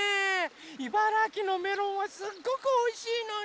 茨城のメロンはすっごくおいしいのに！